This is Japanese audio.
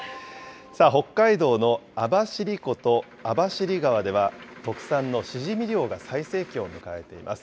北海道の網走湖と網走川では、特産のシジミ漁が最盛期を迎えています。